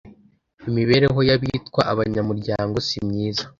imibereho y’abitwa abanyamuryango simyiza